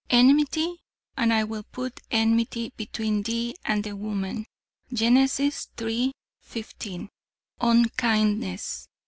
"Enmity. 'And I will put enmity between thee and the woman.' Gen. iii, 15. "Unkindness.